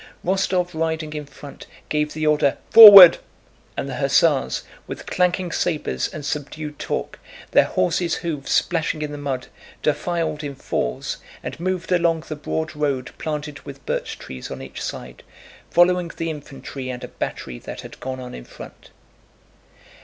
Rostóv riding in front gave the order "Forward!" and the hussars, with clanking sabers and subdued talk, their horses' hoofs splashing in the mud, defiled in fours and moved along the broad road planted with birch trees on each side, following the infantry and a battery that had gone on in front.